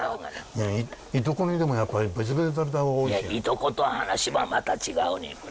いやいとこと話はまた違うねん。